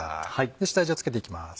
下味を付けていきます。